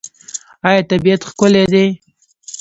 آیا طبیعت ښکلی دی؟